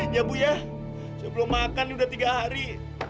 iya bu ya saya belum makan ini udah tiga hari